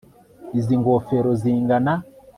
Izi ngofero zingana